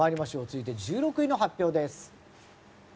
続いて１６位の発表です。